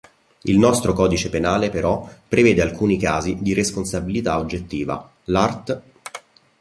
Il nostro codice penale però, prevede alcuni casi di "responsabilità oggettiva": l'art.